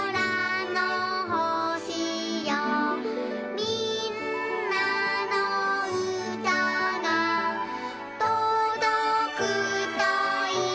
「みんなのうたがとどくといいな」